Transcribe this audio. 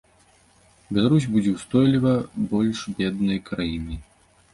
Беларусь будзе устойліва больш беднай краінай.